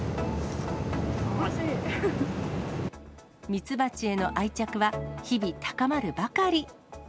蜜蜂への愛着は日々高まるばかり。